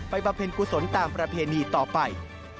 บำเพ็ญกุศลตามประเพณีต่อไป